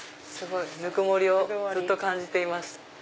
ぬくもりをずっと感じていました。